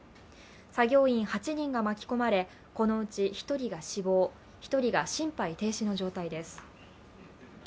作業員８人が巻き込まれ、このうち１人が死亡、１人が心肺停止の状態です。